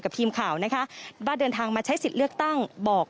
ทีมข่าวนะคะว่าเดินทางมาใช้สิทธิ์เลือกตั้งบอก